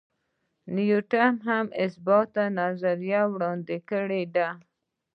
نیوټن هم ثابته نظریه وړاندې کړې ده.